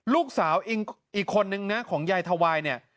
ลูกสาวอีกคนนึงนะของยายทวายเนี่ย